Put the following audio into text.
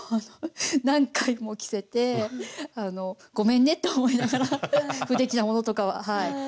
何回も着せてごめんねって思いながら不出来なものとかははい。